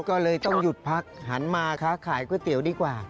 ก็เลยต้องหยุดพักหันมาค้าขายก๋วยเตี๋ยวดีกว่า